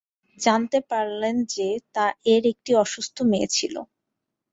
জানতে পারলেন যে, এর একটি অসুস্থ মেয়ে ছিল।